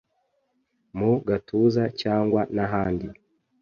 mu gatuza cyangwa n’ahandi.